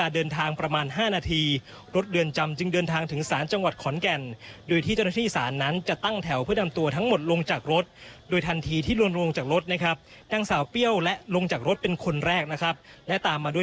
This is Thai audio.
เดินทางมาถึงที่สารเรียบร้อยแล้ว